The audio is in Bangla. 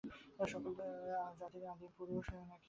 সকল জাতিরই আদিম পুরুষ নাকি প্রথম অবস্থায় যা পেত তাই খেত।